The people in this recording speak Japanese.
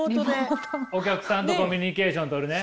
お客さんとコミュニケーションとるね。